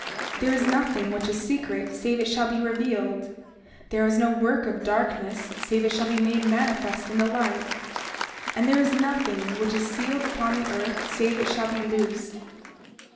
30:17 There is nothing which is secret save it shall be revealed; there is no work of darkness save it shall be made manifest in the light; and there is nothing which is sealed upon the earth save it shall be loosed.